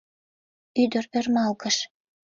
— Ӱдыр ӧрмалгыш.